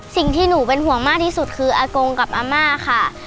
สิ่งที่หนูเป็นห่วงมากที่สุดคืออากงกับอาม่าค่ะ